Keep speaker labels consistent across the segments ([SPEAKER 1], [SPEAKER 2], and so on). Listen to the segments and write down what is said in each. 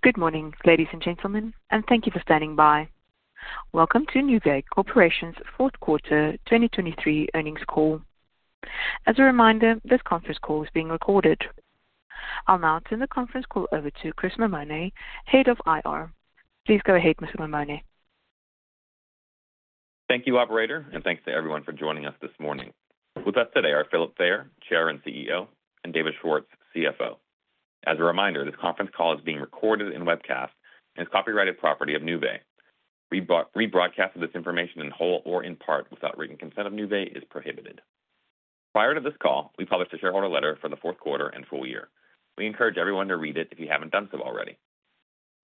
[SPEAKER 1] Good morning, ladies and gentlemen, and thank you for standing by. Welcome to Nuvei Corporation's fourth quarter 2023 earnings call. As a reminder, this conference call is being recorded. I'll now turn the conference call over to Chris Mammone, Head of IR. Please go ahead, Mr. Mammone.
[SPEAKER 2] Thank you, operator, and thanks to everyone for joining us this morning. With us today are Philip Fayer, Chair and CEO, and David Schwartz, CFO. As a reminder, this conference call is being recorded and webcast and is copyrighted property of Nuvei. Rebroadcast of this information in whole or in part without written consent of Nuvei is prohibited. Prior to this call, we published a shareholder letter for the fourth quarter and full year. We encourage everyone to read it if you haven't done so already.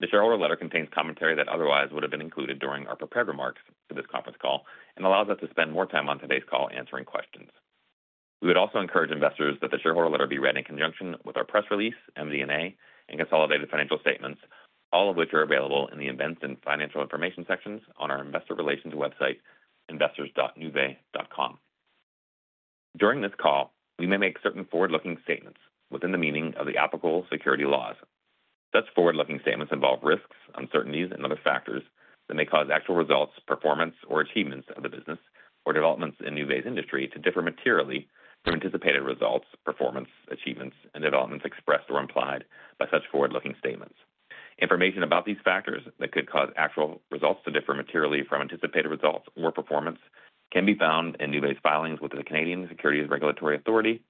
[SPEAKER 2] The shareholder letter contains commentary that otherwise would have been included during our prepared remarks for this conference call and allows us to spend more time on today's call answering questions. We would also encourage investors that the shareholder letter be read in conjunction with our press release, MD&A, and consolidated financial statements, all of which are available in the Events and Financial Information sections on our investor relations website, investors.nuvei.com. During this call, we may make certain forward-looking statements within the meaning of the applicable securities laws. Such forward-looking statements involve risks, uncertainties and other factors that may cause actual results, performance, or achievements of the business or developments in Nuvei's industry to differ materially from anticipated results, performance, achievements, and developments expressed or implied by such forward-looking statements. Information about these factors that could cause actual results to differ materially from anticipated results or performance can be found in Nuvei's filings with the Canadian Securities Regulatory Authority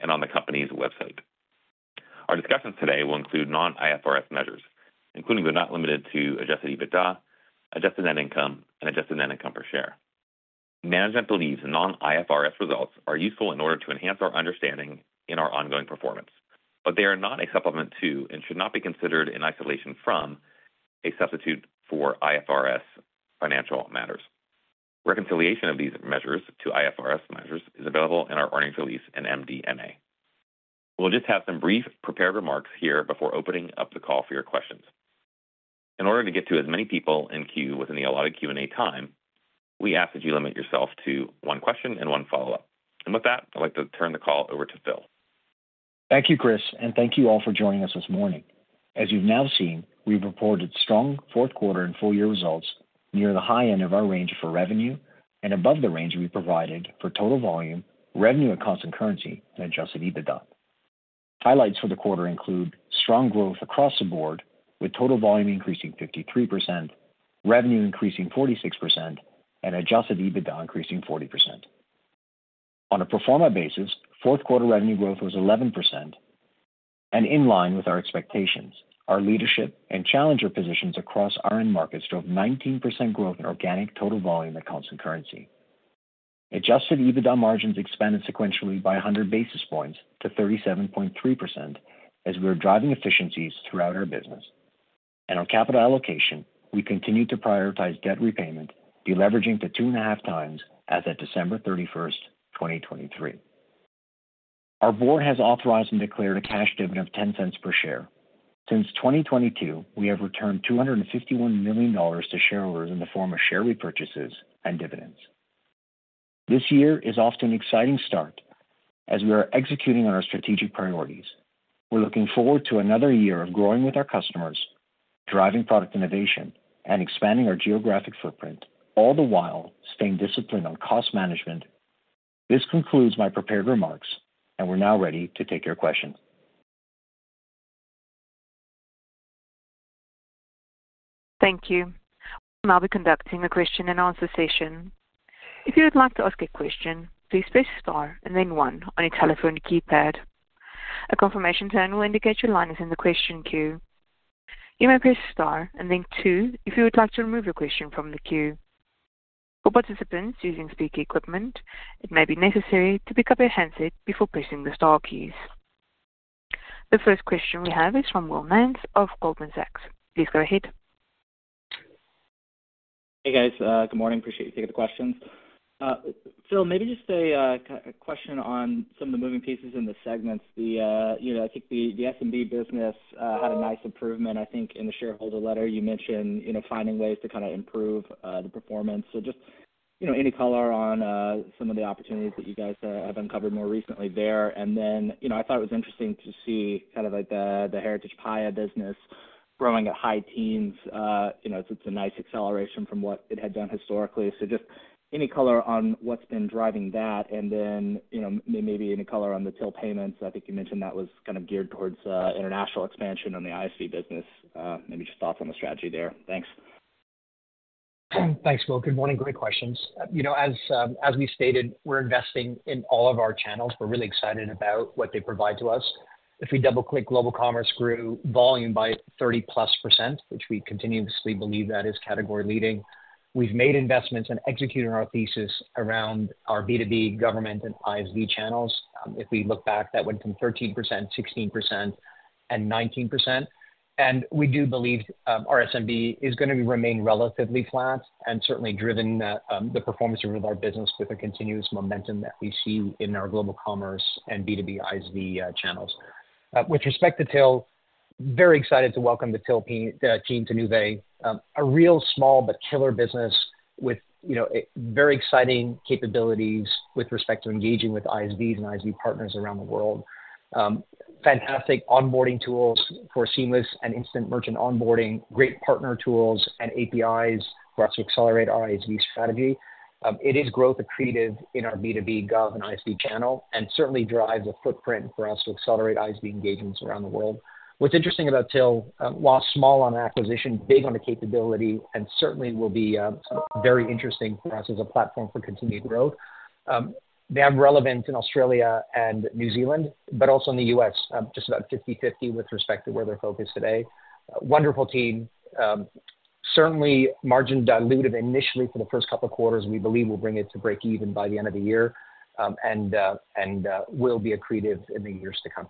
[SPEAKER 2] and on the company's website. Our discussions today will include non-IFRS measures, including but not limited to adjusted EBITDA, adjusted net income, and adjusted net income per share. Management believes non-IFRS results are useful in order to enhance our understanding in our ongoing performance, but they are not a supplement to, and should not be considered in isolation from, a substitute for IFRS financial matters. Reconciliation of these measures to IFRS measures is available in our earnings release and MD&A. We'll just have some brief prepared remarks here before opening up the call for your questions. In order to get to as many people in queue within the allotted Q&A time, we ask that you limit yourself to one question and one follow-up. With that, I'd like to turn the call over to Phil.
[SPEAKER 3] Thank you, Chris, and thank you all for joining us this morning. As you've now seen, we've reported strong fourth quarter and full year results near the high end of our range for revenue and above the range we provided for total volume, revenue at constant currency, and adjusted EBITDA. Highlights for the quarter include strong growth across the board, with total volume increasing 53%, revenue increasing 46%, and adjusted EBITDA increasing 40%. On a pro forma basis, fourth quarter revenue growth was 11% and in line with our expectations. Our leadership and challenger positions across our end markets drove 19% growth in organic total volume at constant currency. Adjusted EBITDA margins expanded sequentially by 100 basis points to 37.3% as we are driving efficiencies throughout our business. On capital allocation, we continued to prioritize debt repayment, deleveraging to 2.5x as of December 31, 2023. Our board has authorized and declared a cash dividend of $0.10 per share. Since 2022, we have returned $251 million to shareholders in the form of share repurchases and dividends. This year is off to an exciting start as we are executing on our strategic priorities. We're looking forward to another year of growing with our customers, driving product innovation, and expanding our geographic footprint, all the while staying disciplined on cost management. This concludes my prepared remarks, and we're now ready to take your questions.
[SPEAKER 1] Thank you. We'll now be conducting a question-and-answer session. If you would like to ask a question, please press star and then one on your telephone keypad. A confirmation tone will indicate your line is in the question queue. You may press star and then two if you would like to remove your question from the queue. For participants using speaker equipment, it may be necessary to pick up your handset before pressing the star keys. The first question we have is from Will Nance of Goldman Sachs. Please go ahead.
[SPEAKER 4] Hey, guys, good morning. Appreciate you taking the questions. Phil, maybe just a question on some of the moving pieces in the segments. You know, I think the SMB business had a nice improvement. I think in the shareholder letter you mentioned, you know, finding ways to kind of improve the performance. So just, you know, any color on some of the opportunities that you guys have uncovered more recently there? And then, you know, I thought it was interesting to see kind of like the Heritage Paya business growing at high teens. You know, it's a nice acceleration from what it had done historically. So just any color on what's been driving that? And then, you know, maybe any color on the Till Payments. I think you mentioned that was kind of geared towards international expansion on the ISV business. Maybe just thoughts on the strategy there. Thanks.
[SPEAKER 3] Thanks, Will. Good morning. Great questions. You know, as we stated, we're investing in all of our channels. We're really excited about what they provide to us. If we double-click, Global Commerce grew volume by 30%+, which we continuously believe that is category leading. We've made investments and executed our thesis around our B2B, government, and ISV channels. If we look back, that went from 13%, 16%, and 19%. We do believe our SMB is gonna remain relatively flat and certainly driven, the performance of our business with the continuous momentum that we see in our Global Commerce and B2B ISV channels. With respect to Till, very excited to welcome the Till team to Nuvei. A real small but killer business with, you know, a very exciting capabilities with respect to engaging with ISVs and ISV partners around the world. Fantastic onboarding tools for seamless and instant merchant onboarding, great partner tools and APIs for us to accelerate our ISV strategy. It is growth accretive in our B2B, gov, and ISV channel, and certainly drives a footprint for us to accelerate ISV engagements around the world. What's interesting about Till, while small on acquisition, big on the capability, and certainly will be very interesting for us as a platform for continued growth. They are relevant in Australia and New Zealand, but also in the U.S., just about 50/50 with respect to where they're focused today. Wonderful team. Certainly margin dilutive initially for the first couple of quarters. We believe we'll bring it to breakeven by the end of the year, and will be accretive in the years to come.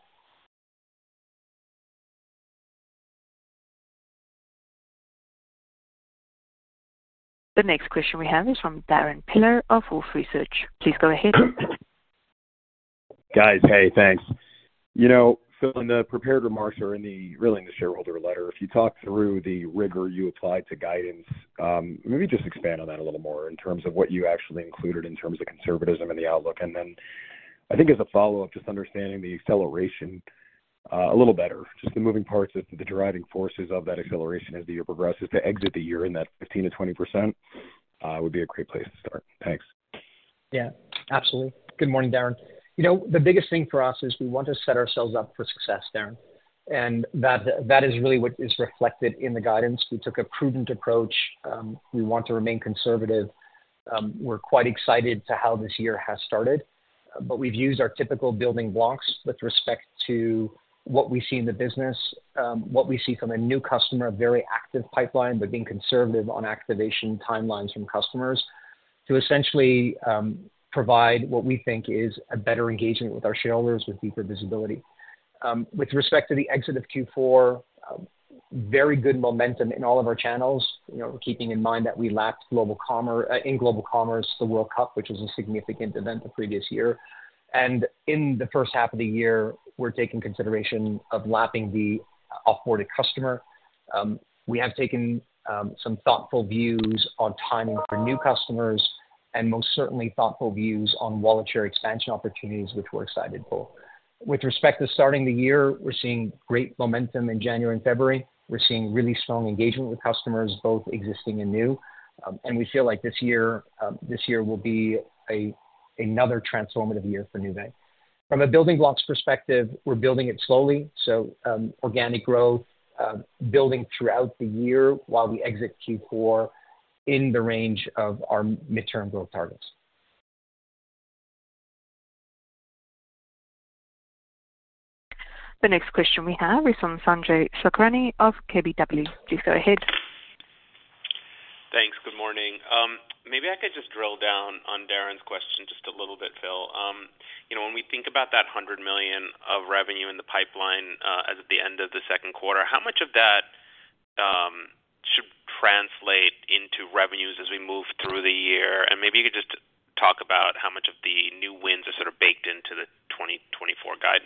[SPEAKER 1] The next question we have is from Darrin Peller of Wolfe Research. Please go ahead.
[SPEAKER 5] Guys, hey, thanks. You know, Phil, in the prepared remarks or in the, really in the shareholder letter, if you talk through the rigor you applied to guidance, maybe just expand on that a little more in terms of what you actually included in terms of conservatism and the outlook. And then I think as a follow-up, just understanding the acceleration a little better, just the moving parts of the driving forces of that acceleration as the year progresses to exit the year in that 15%-20%, would be a great place to start. Thanks.
[SPEAKER 3] Yeah, absolutely. Good morning, Darrin. You know, the biggest thing for us is we want to set ourselves up for success, Darrin, and that, that is really what is reflected in the guidance. We took a prudent approach. We want to remain conservative. We're quite excited to how this year has started, but we've used our typical building blocks with respect to what we see in the business, what we see from a new customer, a very active pipeline, but being conservative on activation timelines from customers to essentially, provide what we think is a better engagement with our shareholders with deeper visibility. With respect to the exit of Q4, very good momentum in all of our channels. You know, keeping in mind that we lapped Global Commerce, in Global Commerce, the World Cup, which was a significant event the previous year. In the first half of the year, we're taking consideration of lapping the off-boarded customer. We have taken some thoughtful views on timing for new customers, and most certainly thoughtful views on wallet share expansion opportunities, which we're excited for. With respect to starting the year, we're seeing great momentum in January and February. We're seeing really strong engagement with customers, both existing and new. And we feel like this year will be another transformative year for Nuvei. From a building blocks perspective, we're building it slowly, so organic growth building throughout the year while we exit Q4 in the range of our midterm growth targets.
[SPEAKER 1] The next question we have is from Sanjay Sakhrani of KBW. Please go ahead.
[SPEAKER 6] Thanks. Good morning. Maybe I could just drill down on Darrin's question just a little bit, Phil. You know, when we think about that $100 million of revenue in the pipeline, as at the end of the second quarter, how much of that should translate into revenues as we move through the year? And maybe you could just talk about how much of the new wins are sort of baked into the 2024 guide.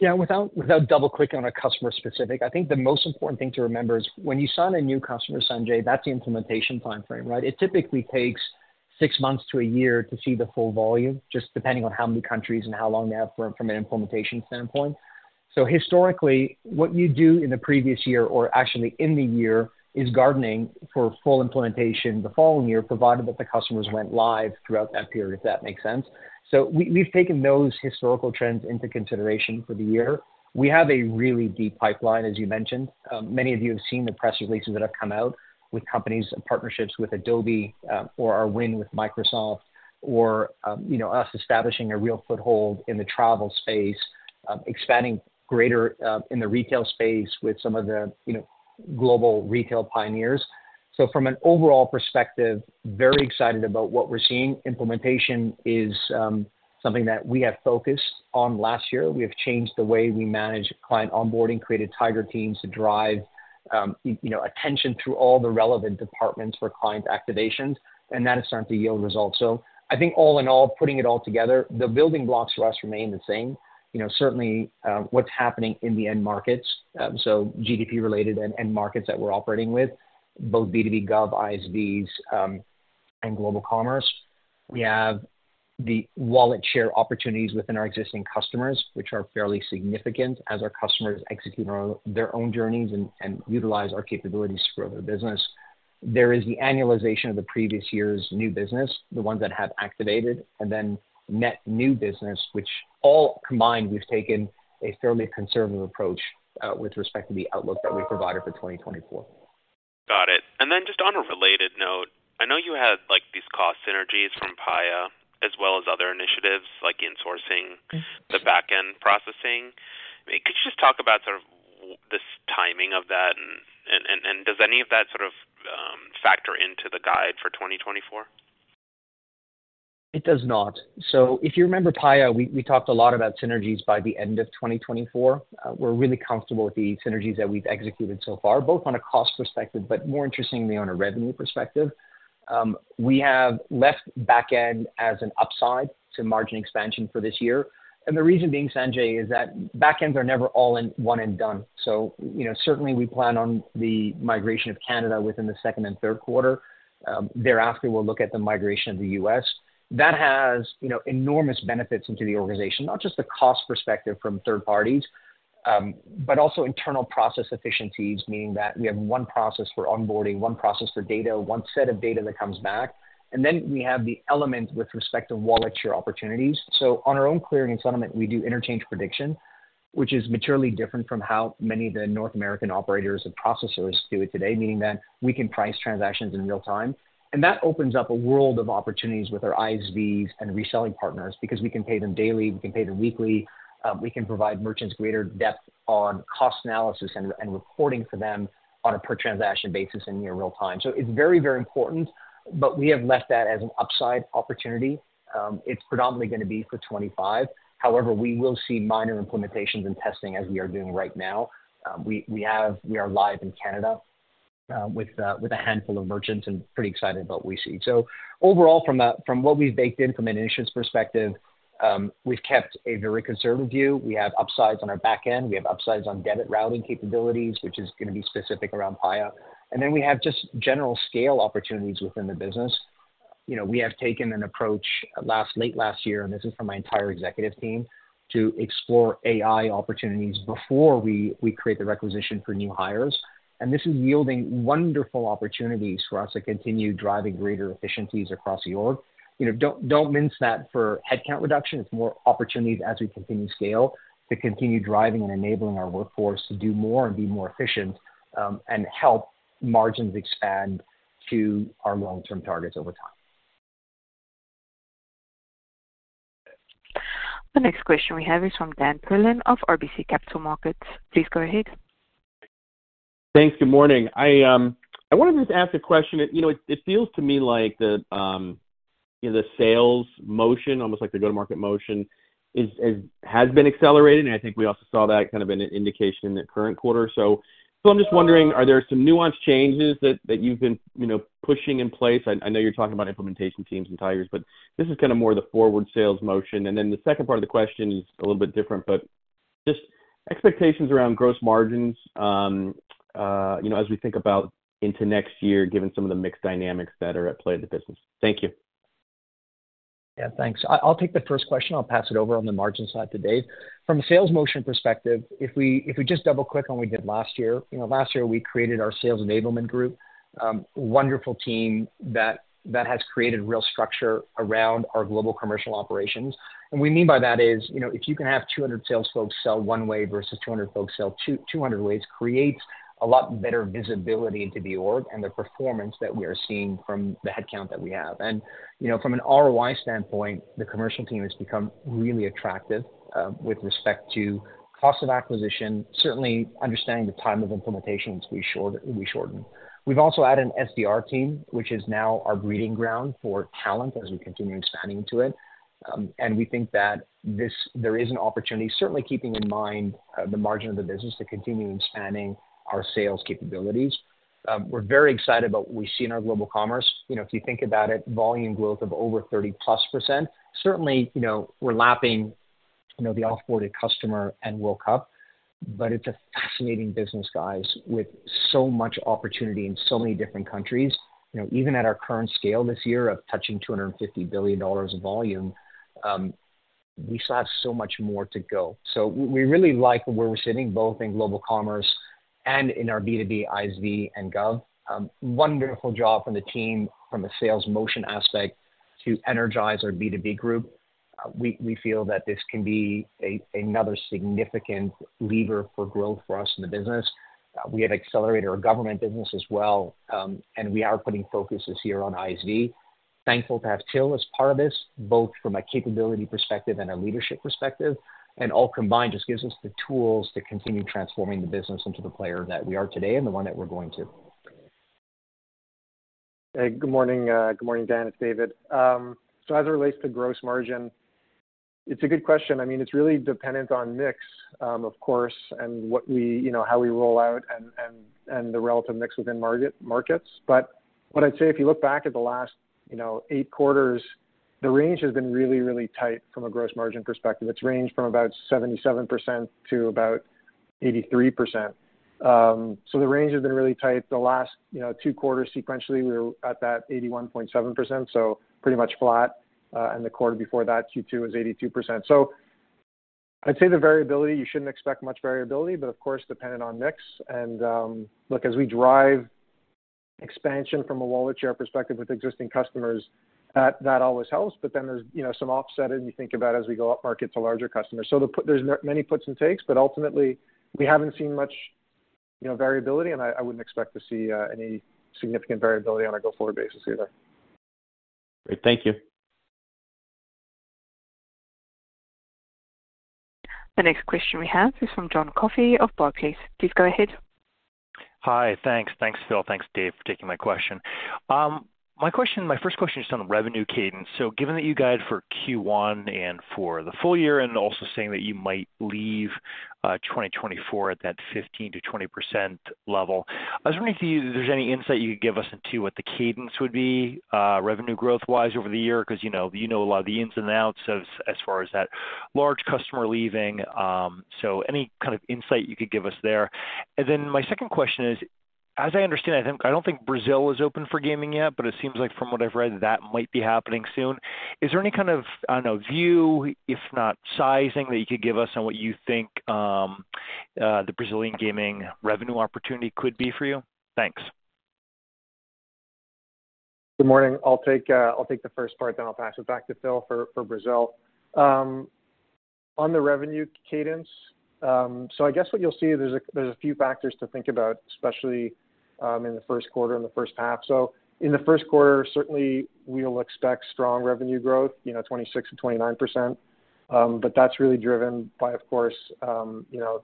[SPEAKER 3] Yeah, without double-clicking on a customer specific, I think the most important thing to remember is when you sign a new customer, Sanjay, that's the implementation timeframe, right? It typically takes six months to a year to see the full volume, just depending on how many countries and how long they have from an implementation standpoint. So historically, what you do in the previous year or actually in the year is gardening for full implementation the following year, provided that the customers went live throughout that period, if that makes sense. So we've taken those historical trends into consideration for the year. We have a really deep pipeline, as you mentioned. Many of you have seen the press releases that have come out with companies and partnerships with Adobe, or our win with Microsoft, or, you know, us establishing a real foothold in the travel space, expanding greater, in the retail space with some of the, you know, global retail pioneers. So from an overall perspective, very excited about what we're seeing. Implementation is something that we have focused on last year. We have changed the way we manage client onboarding, created tiger teams to drive, you know, attention through all the relevant departments for client activations, and that is starting to yield results. So I think all in all, putting it all together, the building blocks for us remain the same. You know, certainly, what's happening in the end markets, so GDP-related and end markets that we're operating with, both B2B, gov, ISVs, and Global Commerce. We have the wallet share opportunities within our existing customers, which are fairly significant as our customers execute their own journeys and utilize our capabilities to grow their business. There is the annualization of the previous year's new business, the ones that have activated, and then net new business, which all combined, we've taken a fairly conservative approach, with respect to the outlook that we provided for 2024.
[SPEAKER 6] Got it. And then just on a related note, I know you had, like, these cost synergies from Paya, as well as other initiatives, like insourcing the back-end processing. I mean, could you just talk about sort of this timing of that, and does any of that sort of factor into the guide for 2024?
[SPEAKER 3] It does not. So if you remember Paya, we, we talked a lot about synergies by the end of 2024. We're really comfortable with the synergies that we've executed so far, both on a cost perspective, but more interestingly, on a revenue perspective. We have left back end as an upside to margin expansion for this year. And the reason being, Sanjay, is that back ends are never all in one and done. So you know, certainly we plan on the migration of Canada within the second and third quarter. Thereafter, we'll look at the migration of the U.S.. That has, you know, enormous benefits into the organization, not just the cost perspective from third parties. But also internal process efficiencies, meaning that we have one process for onboarding, one process for data, one set of data that comes back, and then we have the element with respect to wallet share opportunities. So on our own clearing and settlement, we do interchange prediction, which is materially different from how many of the North American operators and processors do it today, meaning that we can price transactions in real time. And that opens up a world of opportunities with our ISVs and reselling partners because we can pay them daily, we can pay them weekly, we can provide merchants greater depth on cost analysis and, and reporting for them on a per-transaction basis in near real time. So it's very, very important, but we have left that as an upside opportunity. It's predominantly gonna be for 25. However, we will see minor implementations and testing as we are doing right now. We are live in Canada with a handful of merchants and pretty excited about what we see. So overall, from what we've baked in from an initiatives perspective, we've kept a very conservative view. We have upsides on our back end, we have upsides on debit routing capabilities, which is gonna be specific around Paya. And then we have just general scale opportunities within the business. You know, we have taken an approach late last year, and this is from my entire executive team, to explore AI opportunities before we create the requisition for new hires. And this is yielding wonderful opportunities for us to continue driving greater efficiencies across the org. You know, don't mince that for headcount reduction. It's more opportunities as we continue to scale, to continue driving and enabling our workforce to do more and be more efficient, and help margins expand to our long-term targets over time.
[SPEAKER 1] The next question we have is from Dan Perlin of RBC Capital Markets. Please go ahead.
[SPEAKER 7] Thanks. Good morning. I wanted to just ask a question. You know, it feels to me like the, you know, the sales motion, almost like the go-to-market motion is has been accelerated, and I think we also saw that kind of an indication in the current quarter. So, I'm just wondering, are there some nuanced changes that you've been, you know, pushing in place? I know you're talking about implementation teams and tires, but this is kinda more the forward sales motion. And then the second part of the question is a little bit different, but just expectations around gross margins, you know, as we think about into next year, given some of the mixed dynamics that are at play in the business. Thank you.
[SPEAKER 3] Yeah, thanks. I'll take the first question. I'll pass it over on the margin side to Dave. From a sales motion perspective, if we just double-click on what we did last year, you know, last year, we created our sales enablement group, wonderful team that has created real structure around our global commercial operations. And we mean by that is, you know, if you can have 200 sales folks sell one way versus 200 folks sell two, 200 ways, creates a lot better visibility into the org and the performance that we are seeing from the headcount that we have. And, you know, from an ROI standpoint, the commercial team has become really attractive, with respect to cost of acquisition, certainly understanding the time of implementation, which we short, we shortened. We've also added an SDR team, which is now our breeding ground for talent as we continue expanding into it. And we think that there is an opportunity, certainly keeping in mind the margin of the business to continue expanding our sales capabilities. We're very excited about what we see in our Global Commerce. You know, if you think about it, volume growth of over 30%+, certainly, you know, we're lapping, you know, the off-boarded customer and World Cup. But it's a fascinating business, guys, with so much opportunity in so many different countries. You know, even at our current scale this year of touching $250 billion in volume, we still have so much more to go. So we really like where we're sitting, both in Global Commerce and in our B2B, ISV, and gov. Wonderful job from the team from a sales motion aspect to energize our B2B group. We feel that this can be another significant lever for growth for us in the business. We have accelerated our government business as well, and we are putting focuses here on ISV. Thankful to have Till as part of this, both from a capability perspective and a leadership perspective, and all combined, just gives us the tools to continue transforming the business into the player that we are today and the one that we're going to.
[SPEAKER 8] Hey, good morning. Good morning, Dan, it's David. So as it relates to gross margin, it's a good question. I mean, it's really dependent on mix, of course, and what we, you know, how we roll out and the relative mix within major markets. But what I'd say, if you look back at the last eight quarters, the range has been really, really tight from a gross margin perspective. It's ranged from about 77%-83%. So the range has been really tight. The last two quarters sequentially, we were at that 81.7%, so pretty much flat, and the quarter before that, Q2, was 82%. So I'd say the variability, you shouldn't expect much variability, but of course, dependent on mix and, look, as we drive expansion from a wallet share perspective with existing customers, that, that always helps. But then there's, you know, some offset, and you think about as we go up market to larger customers. So there's many puts and takes, but ultimately, we haven't seen much, you know, variability, and I, I wouldn't expect to see any significant variability on a go-forward basis either.
[SPEAKER 7] Great. Thank you.
[SPEAKER 1] The next question we have is from John Coffey of Barclays. Please go ahead.
[SPEAKER 9] Hi. Thanks. Thanks, Phil. Thanks, Dave, for taking my question. My question, my first question is on the revenue cadence. So given that you guide for Q1 and for the full year, and also saying that you might leave 2024 at that 15%-20% level, I was wondering if there's any insight you could give us into what the cadence would be, revenue growth-wise over the year, because, you know, you know a lot of the ins and outs as far as that large customer leaving. So any kind of insight you could give us there? And then my second question is- ...As I understand, I think, I don't think Brazil is open for gaming yet, but it seems like from what I've read, that might be happening soon. Is there any kind of, I don't know, view, if not sizing, that you could give us on what you think, the Brazilian gaming revenue opportunity could be for you? Thanks.
[SPEAKER 8] Good morning. I'll take the first part, then I'll pass it back to Phil for Brazil. On the revenue cadence, so I guess what you'll see is there's a few factors to think about, especially in the first quarter and the first half. So in the first quarter, certainly we'll expect strong revenue growth, you know, 26%-29%. But that's really driven by, of course, you know,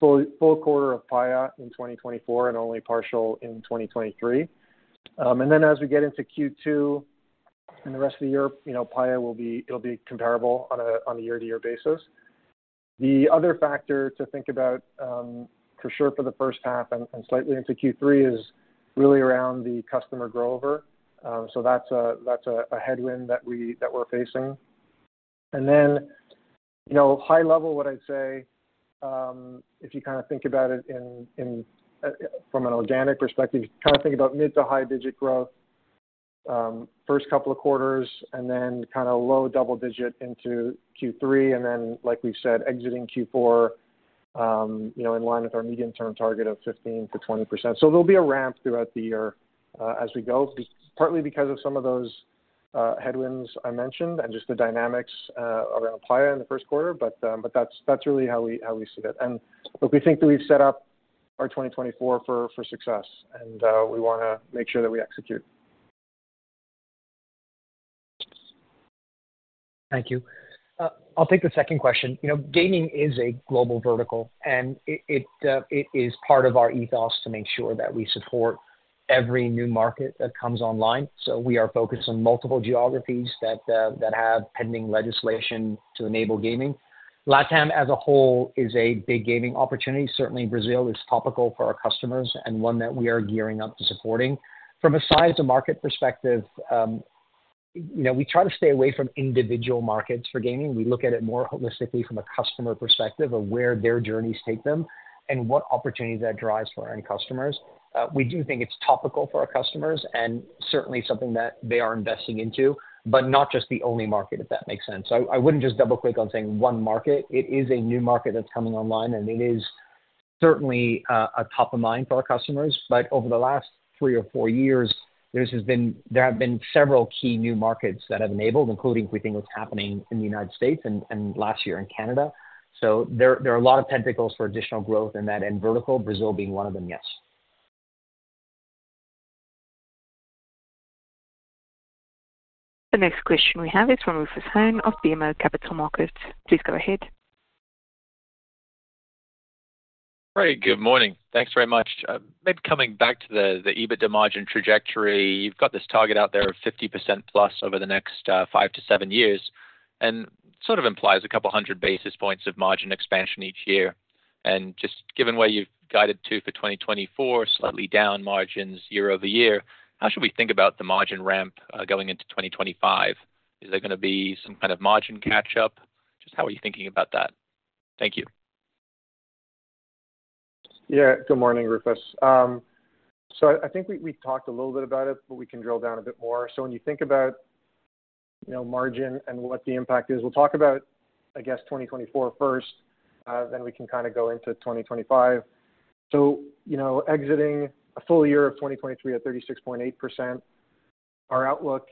[SPEAKER 8] full quarter of Paya in 2024 and only partial in 2023. And then as we get into Q2 and the rest of the year, you know, Paya will be-- it'll be comparable on a year-to-year basis. The other factor to think about, for sure, for the first half and slightly into Q3, is really around the customer grow over. So that's a headwind that we're facing. And then, you know, high level, what I'd say, if you kind of think about it from an organic perspective, you kind of think about mid- to high-digit growth, first couple of quarters, and then kind of low double-digit into Q3. And then, like we've said, exiting Q4, you know, in line with our medium-term target of 15%-20%. So there'll be a ramp throughout the year, as we go, just partly because of some of those headwinds I mentioned and just the dynamics around Paya in the first quarter. But that's really how we see it. But we think that we've set up our 2024 for success, and we wanna make sure that we execute.
[SPEAKER 3] Thank you. I'll take the second question. You know, gaming is a global vertical, and it is part of our ethos to make sure that we support every new market that comes online. So we are focused on multiple geographies that have pending legislation to enable gaming. Latam as a whole is a big gaming opportunity. Certainly, Brazil is topical for our customers and one that we are gearing up to supporting. From a size-to-market perspective, you know, we try to stay away from individual markets for gaming. We look at it more holistically from a customer perspective of where their journeys take them and what opportunities that drives for our end customers. We do think it's topical for our customers and certainly something that they are investing into, but not just the only market, if that makes sense. So I wouldn't just double-click on saying one market. It is a new market that's coming online, and it is certainly a top of mind for our customers. But over the last three or four years, there have been several key new markets that have enabled, including we think what's happening in the United States and last year in Canada. So there are a lot of tentacles for additional growth in that end vertical, Brazil being one of them, yes.
[SPEAKER 1] The next question we have is from Rufus Hone of BMO Capital Markets. Please go ahead.
[SPEAKER 10] Hi, good morning. Thanks very much. Maybe coming back to the, the EBITDA margin trajectory. You've got this target out there of 50% plus over the next five to seven years, and sort of implies a couple hundred basis points of margin expansion each year. And just given where you've guided to for 2024, slightly down margins year-over-year, how should we think about the margin ramp going into 2025? Is there gonna be some kind of margin catch up? Just how are you thinking about that? Thank you.
[SPEAKER 8] Yeah, good morning, Rufus. So I think we talked a little bit about it, but we can drill down a bit more. So when you think about, you know, margin and what the impact is, we'll talk about, I guess, 2024 first, then we can kind go into 2025. So, you know, exiting a full year of 2023 at 36.8%, our outlook,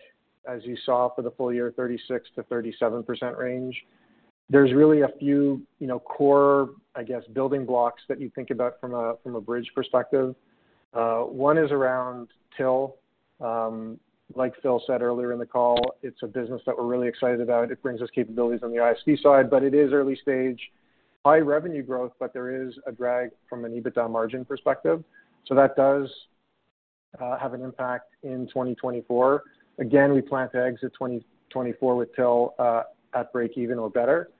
[SPEAKER 8] as you saw for the full year, 36%-37% range. There's really a few, you know, core, I guess, building blocks that you think about from a bridge perspective. One is around Till. Like Phil said earlier in the call, it's a business that we're really excited about. It brings us capabilities on the ISV side, but it is early stage. High revenue growth, but there is a drag from an EBITDA margin perspective, so that does have an impact in 2024. Again, we plan to exit 2024 with Till at break-even or better.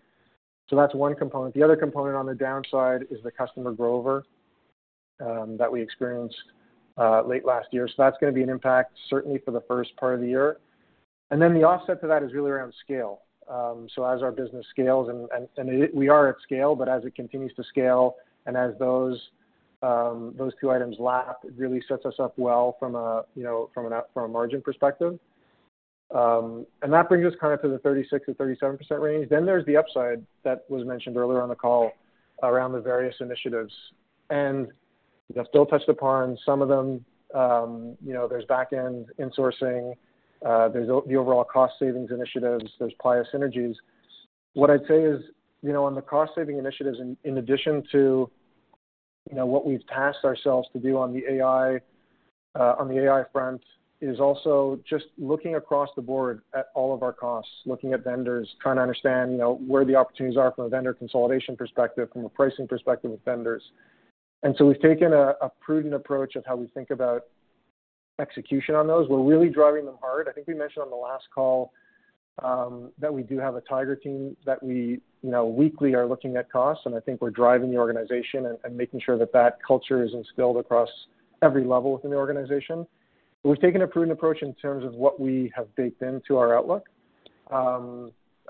[SPEAKER 8] So that's one component. The other component on the downside is the customer growth over that we experienced late last year. So that's gonna be an impact, certainly for the first part of the year. And then the offset to that is really around scale. So as our business scales and it, we are at scale, but as it continues to scale and as those two items lap, it really sets us up well from a, you know, from a margin perspective. And that brings us kind of to the 36%-37% range. Then there's the upside that was mentioned earlier on the call around the various initiatives, and that Phil touched upon some of them. You know, there's back-end insourcing, there's the overall cost savings initiatives, there's Paya synergies. What I'd say is, you know, on the cost-saving initiatives, in addition to, you know, what we've tasked ourselves to do on the AI front, is also just looking across the board at all of our costs, looking at vendors, trying to understand, you know, where the opportunities are from a vendor consolidation perspective, from a pricing perspective with vendors. And so we've taken a prudent approach of how we think about execution on those. We're really driving them hard. I think we mentioned on the last call, that we do have a tiger team, that we, you know, weekly are looking at costs, and I think we're driving the organization and, and making sure that culture is instilled across every level within the organization. We've taken a prudent approach in terms of what we have baked into our outlook....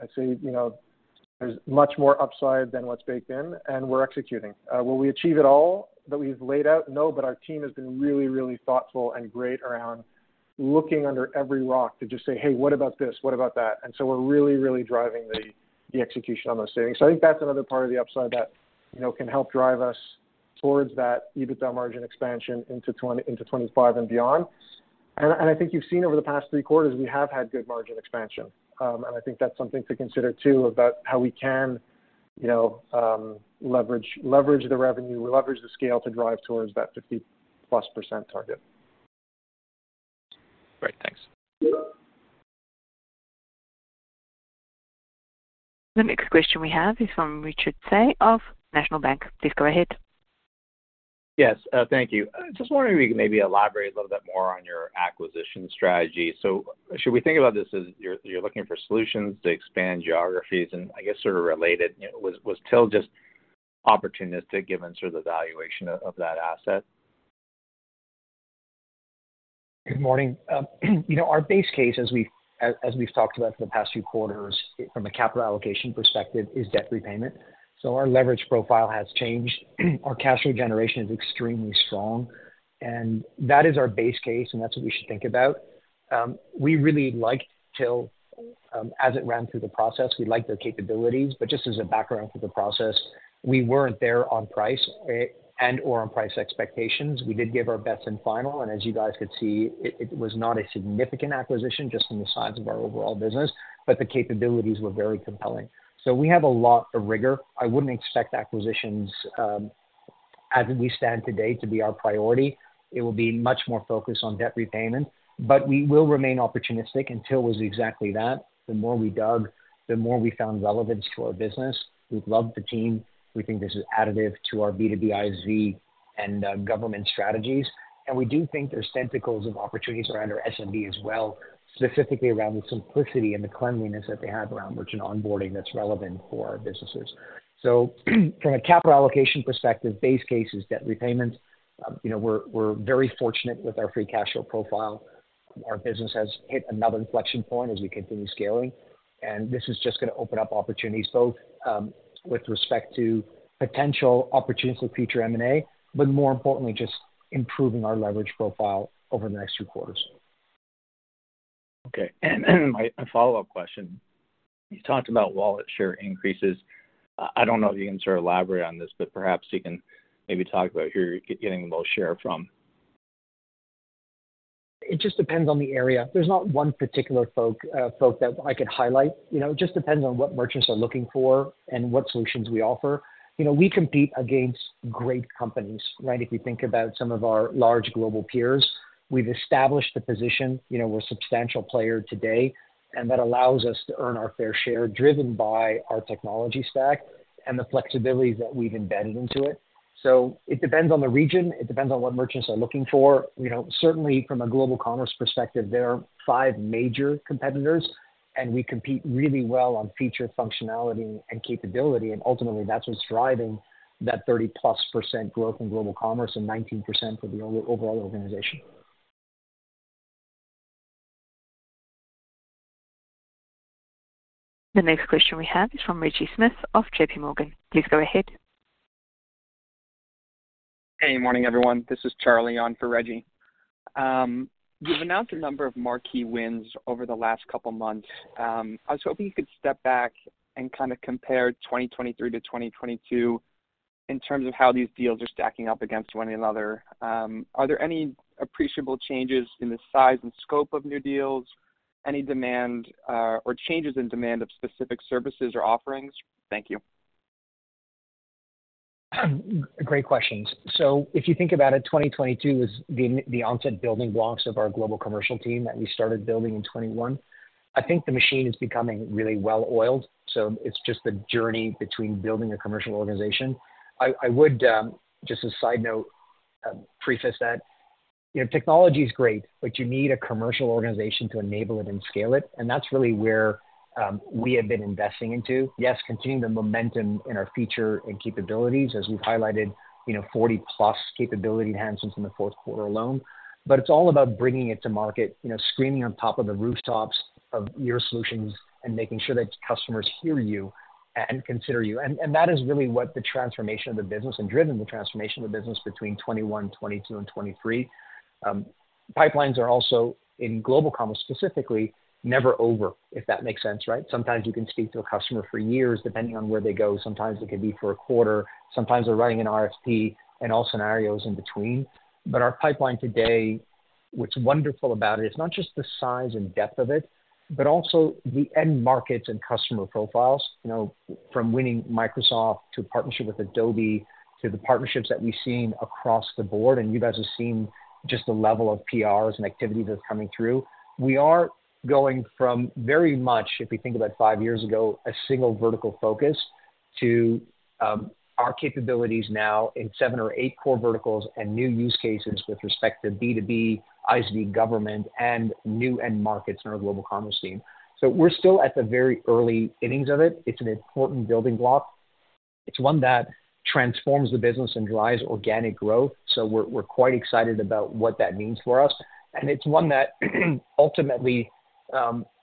[SPEAKER 8] I'd say, you know, there's much more upside than what's baked in, and we're executing. Will we achieve it all that we've laid out? No, but our team has been really, really thoughtful and great around looking under every rock to just say, "Hey, what about this? What about that?" And so we're really, really driving the execution on those savings. So I think that's another part of the upside that, you know, can help drive us towards that EBITDA margin expansion into 2025 and beyond. And I think you've seen over the past three quarters, we have had good margin expansion. And I think that's something to consider too, about how we can, you know, leverage, leverage the revenue, leverage the scale to drive towards that 50%+ target.
[SPEAKER 10] Great, thanks.
[SPEAKER 1] The next question we have is from Richard Tse of National Bank. Please go ahead.
[SPEAKER 11] Yes, thank you. I was just wondering if you could maybe elaborate a little bit more on your acquisition strategy. So should we think about this as you're looking for solutions to expand geographies? And I guess, sort of related, you know, was Till just opportunistic, given sort of the valuation of that asset?
[SPEAKER 3] Good morning. You know, our base case, as we've talked about for the past few quarters, from a capital allocation perspective, is debt repayment. So our leverage profile has changed. Our cash flow generation is extremely strong, and that is our base case, and that's what we should think about. We really liked Till, as it ran through the process. We liked their capabilities, but just as a background for the process, we weren't there on price, and/or on price expectations. We did give our best and final, and as you guys could see, it was not a significant acquisition just in the size of our overall business, but the capabilities were very compelling. So we have a lot of rigor. I wouldn't expect acquisitions, as we stand today, to be our priority. It will be much more focused on debt repayment, but we will remain opportunistic, and Till was exactly that. The more we dug, the more we found relevance to our business. We love the team. We think this is additive to our B2B, ISV, and government strategies, and we do think there's tentacles of opportunities around our SMB as well, specifically around the simplicity and the cleanliness that they have around merchant onboarding that's relevant for our businesses. So from a capital allocation perspective, base case is debt repayment. You know, we're very fortunate with our free cash flow profile. Our business has hit another inflection point as we continue scaling, and this is just gonna open up opportunities both with respect to potential opportunities for future M&A, but more importantly, just improving our leverage profile over the next few quarters.
[SPEAKER 11] Okay, and a follow-up question. You talked about wallet share increases. I don't know if you can sort of elaborate on this, but perhaps you can maybe talk about where you're getting the most share from.
[SPEAKER 3] It just depends on the area. There's not one particular folks that I could highlight. You know, it just depends on what merchants are looking for and what solutions we offer. You know, we compete against great companies, right? If you think about some of our large global peers, we've established a position. You know, we're a substantial player today, and that allows us to earn our fair share, driven by our technology stack and the flexibility that we've embedded into it. So it depends on the region, it depends on what merchants are looking for. You know, certainly from a Global Commerce perspective, there are five major competitors, and we compete really well on feature functionality and capability, and ultimately, that's what's driving that 30%+ growth in Global Commerce and 19% for the overall organization.
[SPEAKER 1] The next question we have is from Reggie Smith of J.P. Morgan. Please go ahead.
[SPEAKER 12] Hey, morning, everyone. This is Charlie on for Reggie. You've announced a number of marquee wins over the last couple months. I was hoping you could step back and kind of compare 2023 to 2022 in terms of how these deals are stacking up against one another. Are there any appreciable changes in the size and scope of new deals? Any demand, or changes in demand of specific services or offerings? Thank you.
[SPEAKER 3] Great questions. So if you think about it, 2022 was the onset building blocks of our global commercial team that we started building in 2021. I think the machine is becoming really well-oiled, so it's just the journey between building a commercial organization. I would just a side note preface that. You know, technology is great, but you need a commercial organization to enable it and scale it, and that's really where we have been investing into. Yes, continuing the momentum in our feature and capabilities as we've highlighted, you know, 40+ capability enhancements in the fourth quarter alone. But it's all about bringing it to market, you know, screaming on top of the rooftops of your solutions and making sure that customers hear you and consider you. And that is really what the transformation of the business and driven the transformation of the business between 2021, 2022, and 2023. Pipelines are also, in Global Commerce specifically, never over, if that makes sense, right? Sometimes you can speak to a customer for years, depending on where they go. Sometimes it could be for a quarter. Sometimes they're running an RFP and all scenarios in between. But our pipeline today, what's wonderful about it, it's not just the size and depth of it, but also the end markets and customer profiles. You know, from winning Microsoft, to partnership with Adobe, to the partnerships that we've seen across the board, and you guys have seen just the level of PRs and activity that's coming through. We are going from very much, if we think about five years ago, a single vertical focus, to our capabilities now in seven or eight core verticals and new use cases with respect to B2B, ISV, government, and new end markets in our Global Commerce team. So we're still at the very early innings of it. It's an important building block. It's one that transforms the business and drives organic growth, so we're quite excited about what that means for us. And it's one that, ultimately,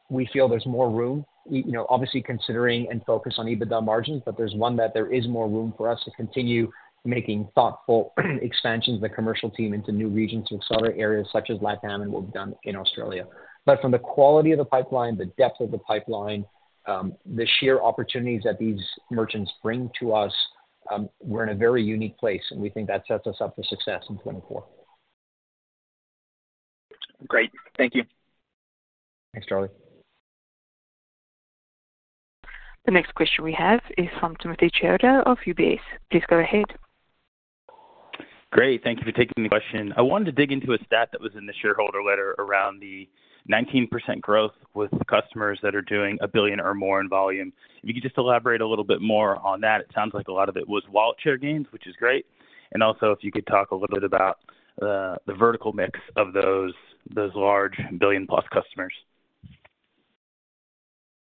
[SPEAKER 3] we feel there's more room. We, you know, obviously considering and focus on EBITDA margins, but there's one that there is more room for us to continue making thoughtful expansions of the commercial team into new regions, in other areas such as LATAM, and we've done in Australia. But from the quality of the pipeline, the depth of the pipeline, the sheer opportunities that these merchants bring to us, we're in a very unique place, and we think that sets us up for success in 2024.
[SPEAKER 12] Great. Thank you.
[SPEAKER 3] Thanks, Charlie.
[SPEAKER 1] The next question we have is from Timothy Chiodo of UBS. Please go ahead.
[SPEAKER 13] Great, thank you for taking the question. I wanted to dig into a stat that was in the shareholder letter around the 19% growth with customers that are doing a billion or more in volume. If you could just elaborate a little bit more on that. It sounds like a lot of it was wallet share gains, which is great. And also, if you could talk a little bit about, the vertical mix of those, those large billion-plus customers.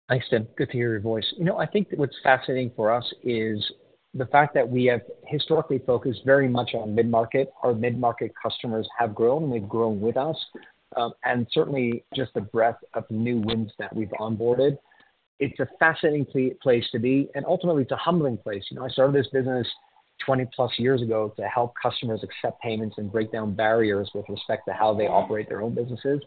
[SPEAKER 3] Thanks, Tim. Good to hear your voice. You know, I think what's fascinating for us is the fact that we have historically focused very much on mid-market. Our mid-market customers have grown. They've grown with us, and certainly just the breadth of new wins that we've onboarded. It's a fascinating place to be, and ultimately, it's a humbling place. You know, I started this business 20+ years ago to help customers accept payments and break down barriers with respect to how they operate their own businesses.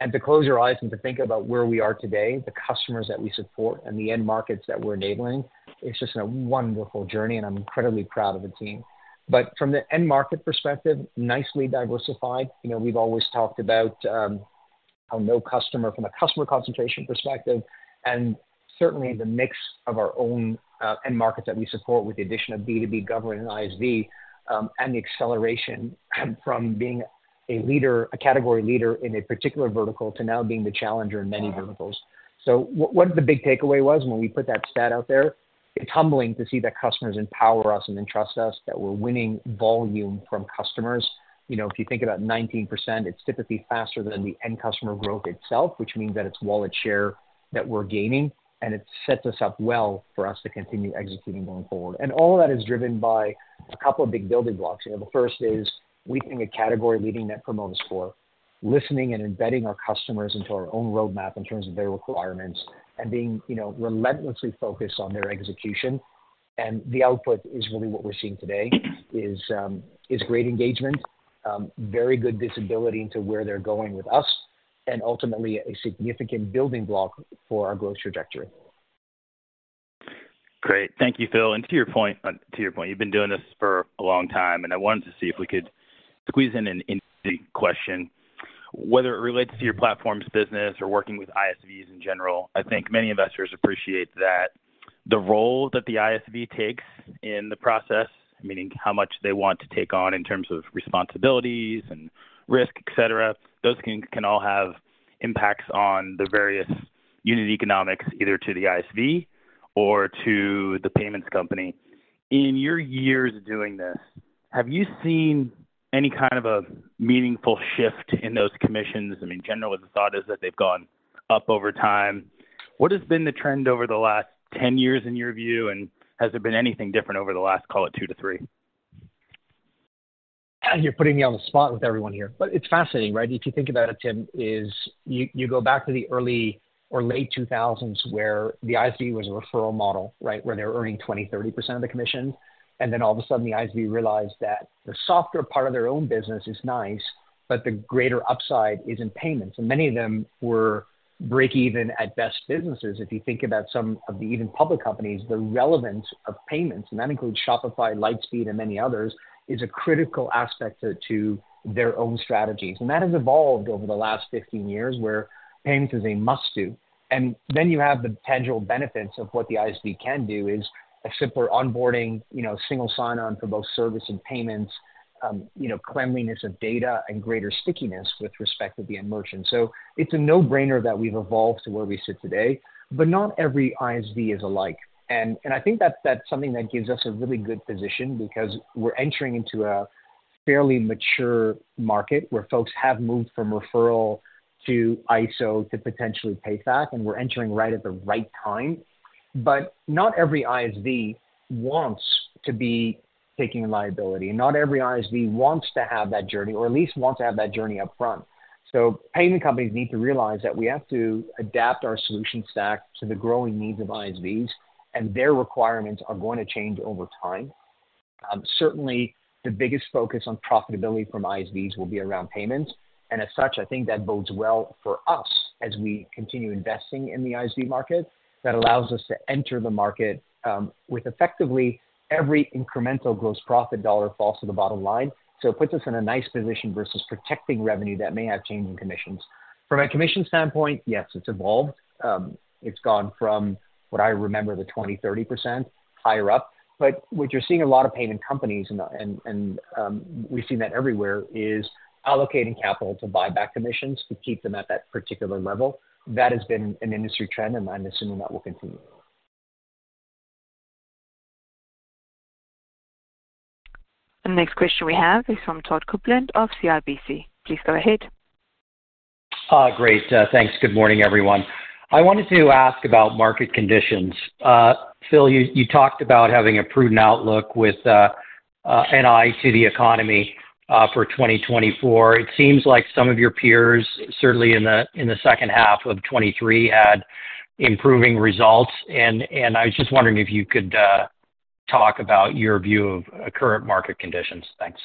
[SPEAKER 3] And to close your eyes and to think about where we are today, the customers that we support, and the end markets that we're enabling, it's just a wonderful journey, and I'm incredibly proud of the team. But from the end market perspective, nicely diversified. You know, we've always talked about how no customer from a customer concentration perspective, and certainly the mix of our own end markets that we support with the addition of B2B government and ISV, and the acceleration from being a leader, a category leader in a particular vertical, to now being the challenger in many verticals. So one of the big takeaway was when we put that stat out there, it's humbling to see that customers empower us and entrust us, that we're winning volume from customers. You know, if you think about 19%, it's typically faster than the end customer growth itself, which means that it's wallet share that we're gaining, and it sets us up well for us to continue executing going forward. And all of that is driven by a couple of big building blocks. You know, the first is we think a category-leading Net Promoter Score, listening and embedding our customers into our own roadmap in terms of their requirements, and being, you know, relentlessly focused on their execution. The output is really what we're seeing today: great engagement, very good visibility into where they're going with us, and ultimately, a significant building block for our growth trajectory.
[SPEAKER 13] Great. Thank you, Phil. And to your point, to your point, you've been doing this for a long time, and I wanted to see if we could squeeze in an interesting question. Whether it relates to your platforms, business, or working with ISVs in general, I think many investors appreciate that the role that the ISV takes in the process, meaning how much they want to take on in terms of responsibilities and risk, et cetera, those can, can all have impacts on the various unit economics, either to the ISV or to the payments company. In your years of doing this, have you seen any kind of a meaningful shift in those commissions? I mean, generally, the thought is that they've gone up over time. What has been the trend over the last 10 years, in your view, and has there been anything different over the last, call it, two to three?
[SPEAKER 3] You're putting me on the spot with everyone here, but it's fascinating, right? If you think about it, Tim, if you go back to the early or late 2000s, where the ISV was a referral model, right? Where they were earning 20%-30% of the commission, and then all of a sudden, the ISV realized that the softer part of their own business is nice, but the greater upside is in payments. And many of them were break even at best businesses. If you think about some of the even public companies, the relevance of payments, and that includes Shopify, Lightspeed, and many others, is a critical aspect to, to their own strategies. And that has evolved over the last 15 years, where payments is a must-do. And then you have the potential benefits of what the ISV can do is a simpler onboarding, you know, single sign-on for both service and payments, you know, cleanliness of data and greater stickiness with respect to the end merchant. So it's a no-brainer that we've evolved to where we sit today, but not every ISV is alike. And I think that's something that gives us a really good position because we're entering into a fairly mature market, where folks have moved from referral to ISO to potentially Payfac, and we're entering right at the right time. But not every ISV wants to be taking a liability, not every ISV wants to have that journey, or at least wants to have that journey up front. So payment companies need to realize that we have to adapt our solution stack to the growing needs of ISVs, and their requirements are going to change over time. Certainly, the biggest focus on profitability from ISVs will be around payments, and as such, I think that bodes well for us as we continue investing in the ISV market. That allows us to enter the market, with effectively every incremental gross profit dollar falls to the bottom line. So it puts us in a nice position versus protecting revenue that may have changing commissions. From a commission standpoint, yes, it's evolved. It's gone from what I remember, the 20%-30% higher up. But what you're seeing a lot of payment companies and we've seen that everywhere, is allocating capital to buyback commissions to keep them at that particular level. That has been an industry trend, and I'm assuming that will continue.
[SPEAKER 1] The next question we have is from Todd Coupland of CIBC. Please go ahead.
[SPEAKER 14] Great, thanks. Good morning, everyone. I wanted to ask about market conditions. Phil, you talked about having a prudent outlook with an eye to the economy for 2024. It seems like some of your peers, certainly in the second half of 2023, had improving results, and I was just wondering if you could talk about your view of current market conditions. Thanks.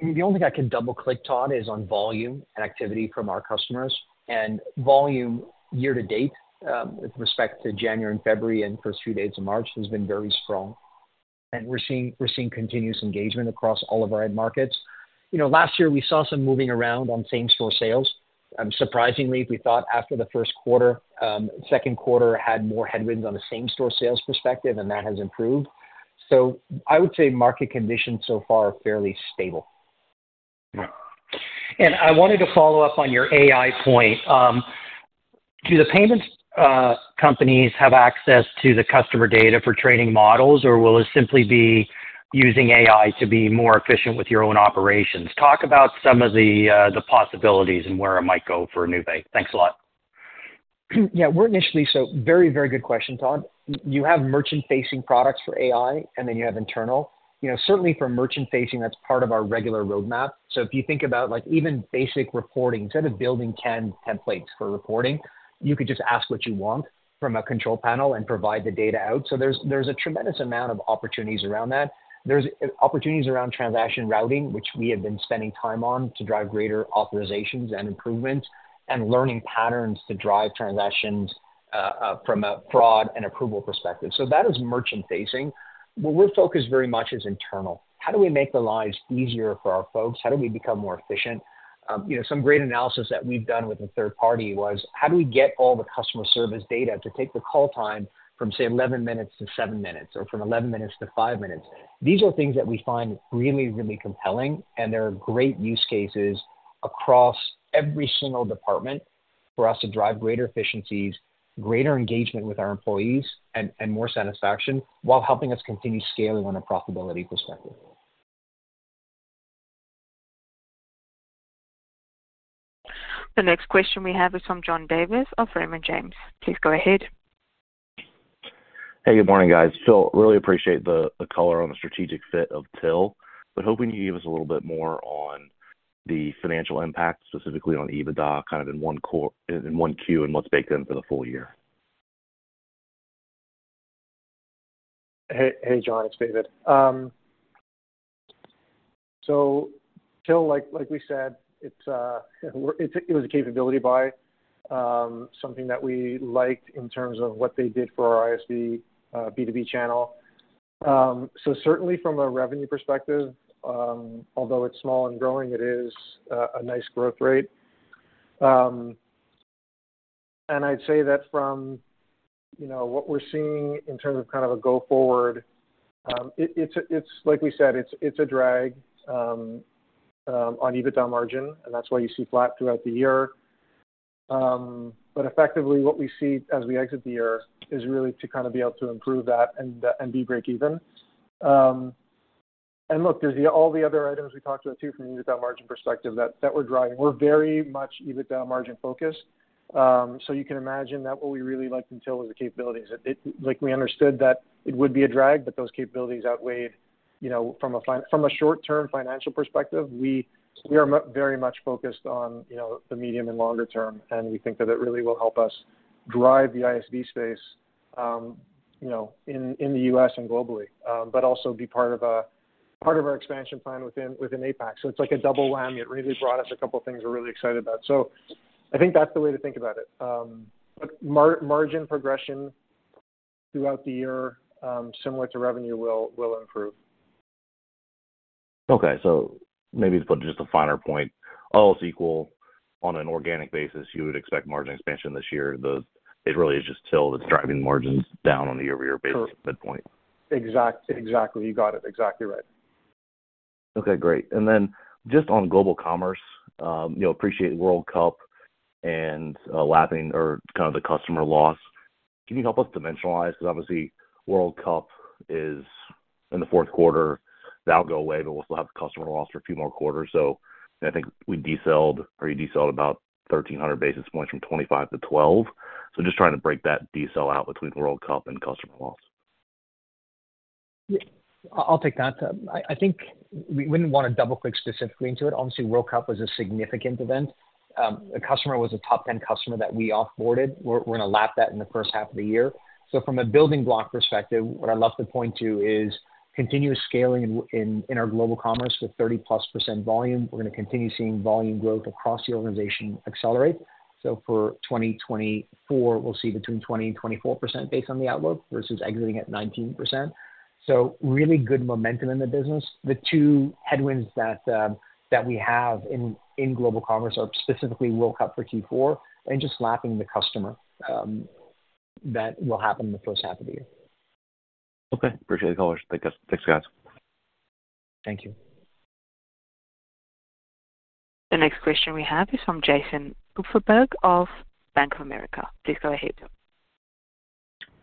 [SPEAKER 3] The only thing I can double-click, Todd, is on volume and activity from our customers. And volume year to date, with respect to January and February and first few days of March, has been very strong. And we're seeing, we're seeing continuous engagement across all of our end markets. You know, last year, we saw some moving around on same-store sales. Surprisingly, we thought after the first quarter, second quarter had more headwinds on a same-store sales perspective, and that has improved. So I would say market conditions so far are fairly stable.
[SPEAKER 14] I wanted to follow up on your AI point. Do the payments companies have access to the customer data for training models, or will it simply be using AI to be more efficient with your own operations? Talk about some of the possibilities and where it might go for Nuvei. Thanks a lot.
[SPEAKER 3] Yeah. So very, very good question, Todd. You have merchant-facing products for AI, and then you have internal. You know, certainly for merchant facing, that's part of our regular roadmap. So if you think about, like, even basic reporting, instead of building 10 templates for reporting, you could just ask what you want from a control panel and provide the data out. So there's a tremendous amount of opportunities around that. There's opportunities around transaction routing, which we have been spending time on, to drive greater authorizations and improvement, and learning patterns to drive transactions from a fraud and approval perspective. So that is merchant facing. What we're focused very much is internal. How do we make the lives easier for our folks? How do we become more efficient? You know, some great analysis that we've done with a third party was: How do we get all the customer service data to take the call time from, say, 11 minutes to seven minutes or from 11 minutes to five minutes? These are things that we find really, really compelling, and there are great use cases across every single department for us to drive greater efficiencies, greater engagement with our employees and, and more satisfaction, while helping us continue scaling on a profitability perspective.
[SPEAKER 1] The next question we have is from John Davis of Raymond James. Please go ahead.
[SPEAKER 15] Hey, good morning, guys. Phil, really appreciate the color on the strategic fit of Till, but hoping you can give us a little bit more on the financial impact, specifically on EBITDA, kind of in 1Q, and what's baked in for the full year.
[SPEAKER 8] Hey, hey, John, it's David. So Till, like we said, it was a capability buy, something that we liked in terms of what they did for our ISV B2B channel. So certainly from a revenue perspective, although it's small and growing, it is a nice growth rate. And I'd say that from you know what we're seeing in terms of kind of a go-forward, it's like we said, it's a drag on EBITDA margin, and that's why you see flat throughout the year. But effectively what we see as we exit the year is really to kind of be able to improve that and be breakeven. And look, there's all the other items we talked about too, from the EBITDA margin perspective that we're driving. We're very much EBITDA margin-focused. So you can imagine that what we really liked in Till was the capabilities. Like, we understood that it would be a drag, but those capabilities outweighed, you know, from a short-term financial perspective, we are very much focused on, you know, the medium and longer term, and we think that it really will help us drive the ISV space, you know, in the U.S. and globally. But also be part of a, part of our expansion plan within APAC. So it's like a double whammy. It really brought us a couple things we're really excited about. So I think that's the way to think about it. But margin progression throughout the year, similar to revenue, will improve.
[SPEAKER 15] Okay, so maybe to put just a finer point, all else equal, on an organic basis, you would expect margin expansion this year, the... It really is just Till that's driving margins down on the year-over-year basis-
[SPEAKER 8] Sure
[SPEAKER 15] - midpoint.
[SPEAKER 8] Exactly. You got it exactly right.
[SPEAKER 15] Okay, great. And then just on Global Commerce, you know, appreciate World Cup and, lapping or kind of the customer loss. Can you help us dimensionalize? Because obviously, World Cup is in the fourth quarter. That'll go away, but we'll still have the customer loss for a few more quarters. So I think we decelled or you decelled about 1,300 basis points from 25 to 12. So just trying to break that decel out between World Cup and customer loss.
[SPEAKER 3] Yeah, I'll take that. I think we wouldn't want to double-click specifically into it. Obviously, World Cup was a significant event. The customer was a top 10 customer that we offboarded. We're gonna lap that in the first half of the year. So from a building block perspective, what I'd love to point to is continuous scaling in our Global Commerce with 30+% volume. We're gonna continue seeing volume growth across the organization accelerate. So for 2024, we'll see between 20% and 24% based on the outlook, versus exiting at 19%. So really good momentum in the business. The two headwinds that we have in Global Commerce are specifically World Cup for Q4 and just lapping the customer that will happen in the first half of the year.
[SPEAKER 15] Okay. Appreciate the colors. Thank you. Thanks, guys.
[SPEAKER 3] Thank you.
[SPEAKER 1] The next question we have is from Jason Kupferberg of Bank of America. Please go ahead.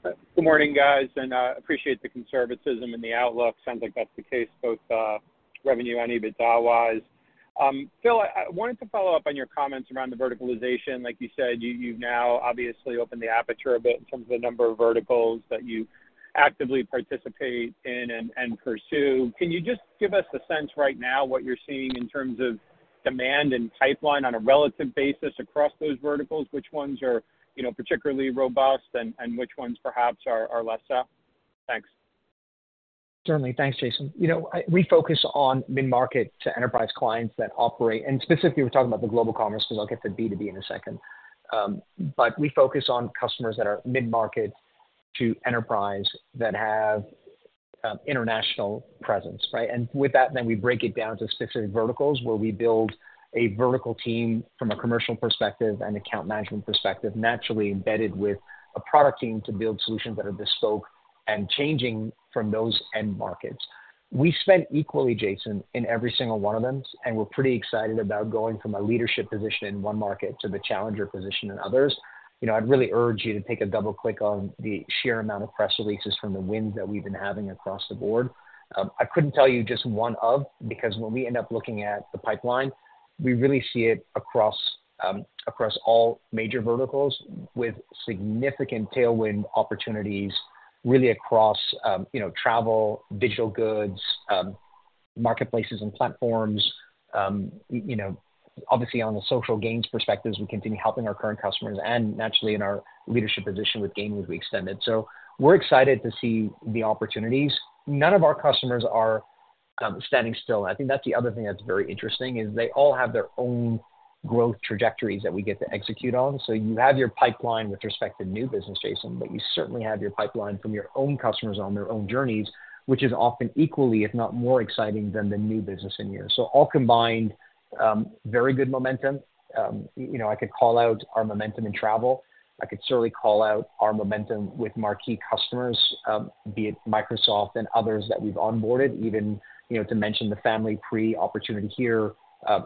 [SPEAKER 16] Good morning, guys, and appreciate the conservatism and the outlook. Sounds like that's the case, both revenue and EBITDA wise. Phil, I wanted to follow up on your comments around the verticalization. Like you said, you've now obviously opened the aperture a bit in terms of the number of verticals that you actively participate in and pursue. Can you just give us a sense right now what you're seeing in terms of demand and pipeline on a relative basis across those verticals? Which ones are, you know, particularly robust and which ones perhaps are less so? Thanks.
[SPEAKER 3] Certainly. Thanks, Jason. You know, we focus on mid-market to enterprise clients that operate, and specifically, we're talking about the Global Commerce. We'll look at the B2B in a second. But we focus on customers that are mid-market to enterprise that have international presence, right? And with that, then we break it down to specific verticals, where we build a vertical team from a commercial perspective and account management perspective, naturally embedded with a product team to build solutions that are bespoke and changing from those end markets. We spent equally, Jason, in every single one of them, and we're pretty excited about going from a leadership position in one market to the challenger position in others. You know, I'd really urge you to take a double click on the sheer amount of press releases from the wins that we've been having across the board. I couldn't tell you just one of, because when we end up looking at the pipeline, we really see it across, across all major verticals with significant tailwind opportunities, really across, you know, travel, digital goods, marketplaces and platforms. You know, obviously, on the gaming perspectives, we continue helping our current customers and naturally in our leadership position with gaming, which we extended. So we're excited to see the opportunities. None of our customers are standing still. I think that's the other thing that's very interesting, is they all have their own growth trajectories that we get to execute on. So you have your pipeline with respect to new business, Jason, but you certainly have your pipeline from your own customers on their own journeys, which is often equally, if not more exciting than the new business in here. So all combined, very good momentum. You know, I could call out our momentum in travel. I could certainly call out our momentum with marquee customers, be it Microsoft and others that we've onboarded, even, you know, to mention the Familiprix opportunity here,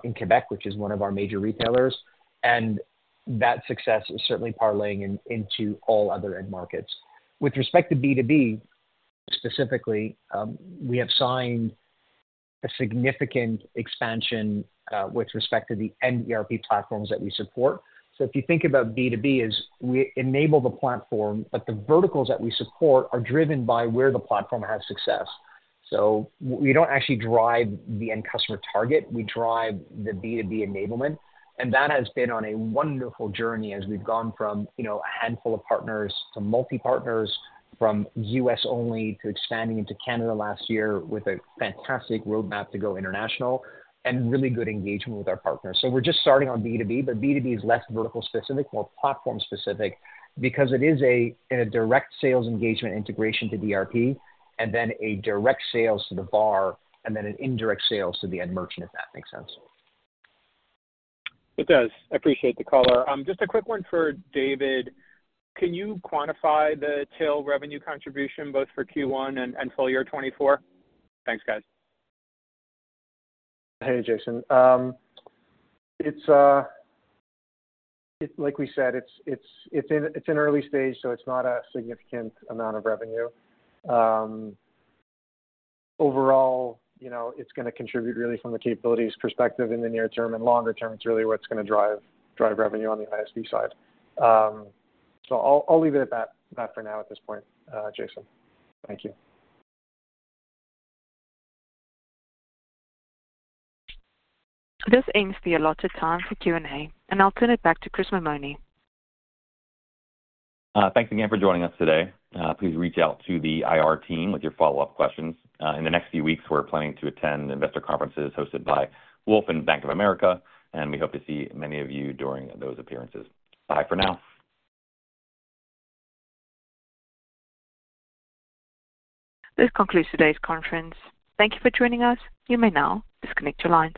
[SPEAKER 3] in Quebec, which is one of our major retailers. And that success is certainly parlaying in, into all other end markets. With respect to B2B, specifically, we have signed a significant expansion, with respect to the end ERP platforms that we support. So if you think about B2B as we enable the platform, but the verticals that we support are driven by where the platform has success. So we don't actually drive the end customer target, we drive the B2B enablement, and that has been on a wonderful journey as we've gone from, you know, a handful of partners to multi partners, from U.S. only to expanding into Canada last year with a fantastic roadmap to go international and really good engagement with our partners. So we're just starting on B2B, but B2B is less vertical specific, more platform specific, because it is a, in a direct sales engagement integration to ERP, and then a direct sales to the VAR, and then an indirect sales to the end merchant, if that makes sense.
[SPEAKER 16] It does. I appreciate the color. Just a quick one for David. Can you quantify the Till revenue contribution, both for Q1 and full year 2024? Thanks, guys.
[SPEAKER 8] Hey, Jason. Like we said, it's in early stage, so it's not a significant amount of revenue. Overall, you know, it's gonna contribute really from a capabilities perspective in the near term, and longer term, it's really what's gonna drive revenue on the ISV side. So I'll leave it at that for now, at this point, Jason. Thank you.
[SPEAKER 1] This ends the allotted time for Q&A, and I'll turn it back to Chris Mammone.
[SPEAKER 2] Thanks again for joining us today. Please reach out to the IR team with your follow-up questions. In the next few weeks, we're planning to attend investor conferences hosted by Wolfe and Bank of America, and we hope to see many of you during those appearances. Bye for now.
[SPEAKER 1] This concludes today's conference. Thank you for joining us. You may now disconnect your lines.